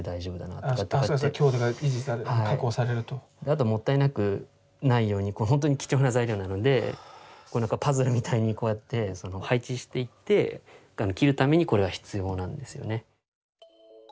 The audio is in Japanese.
あともったいなくないようにこれほんとに貴重な材料なのでパズルみたいにこうやって配置していって切るためにこれは必要なんですよね。